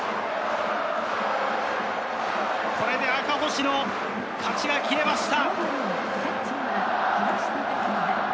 これで赤星の勝ちが消えました。